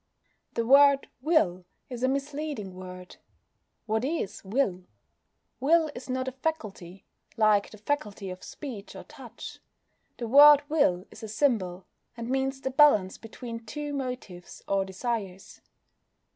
The word "will" is a misleading word. What is will? Will is not a faculty, like the faculty of speech or touch. The word will is a symbol, and means the balance between two motives or desires.